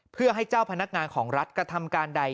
เพื่อให้เจ้าพนักงานของรัฐกระทำการใด